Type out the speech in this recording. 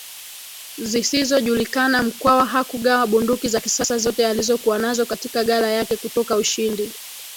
zisizojulikana Mkwawa hakugawa bunduki za kisasa zote alizokuwa nazo katika ghala yake kutoka ushindi